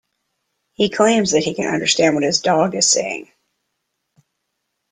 He claims that he can understand what his dog is saying